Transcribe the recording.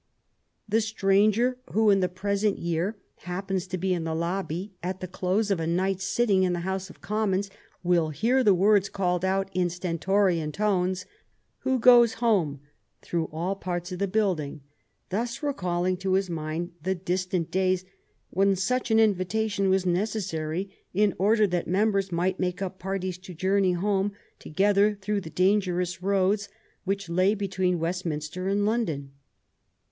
The stranger who in the present year happens to be in the lobby at the close of a night's sitting in the House of Commons will hear the words called out in stentorian tones, " Who goes home ?" through all parts of the building, thus recalling to his mind the distant days when such an invitation was necessary in order that members might make up parties to journey home to gether through the dangerous roads which still lay between Westminster and London.